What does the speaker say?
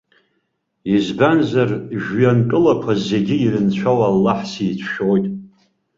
Избанзар, жәҩантәылақәа зегьы ирынцәоу Аллаҳ сицәшәоит.